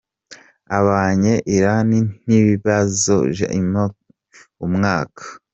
Abanye Iran ntibazoja i Mecque uyu mwaka.